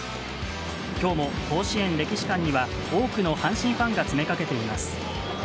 今日も甲子園歴史館には多くの阪神ファンが詰めかけています。